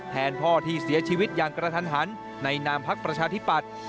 พ่อที่เสียชีวิตอย่างกระทันหันในนามพักประชาธิปัตย์